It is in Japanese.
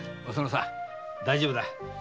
おそのさん大丈夫だ。